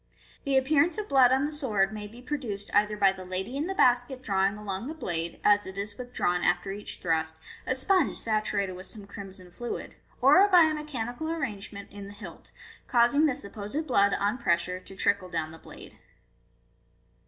The appear ance of blood on the sword may be produced either by the lady in the basket drawing along the blade, as it is withdrawn after each thrust, a Fig. 301. sponge saturated with some crimson fluid, or by a mechanical arrange ment in the hilt, causing the supposed blood, on pressure, to trickle down the blade.